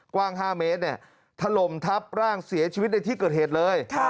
กว้าง๕เมตรถล่มทับร่างเสียชีวิตในที่เกิดเหตุเลย